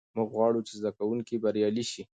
موږ غواړو چې زده کوونکي بریالي سي.